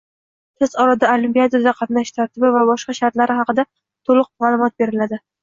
Tez orada olimpiadada qatnashish tartibi va boshqa shartlari haqida toʻliq maʼlumot beriladi.